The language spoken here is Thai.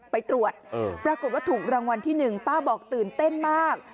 ไปตรวจปรากฏว่าถูกรางวัลที่๑ป้าบอกตื่นเต้นมาก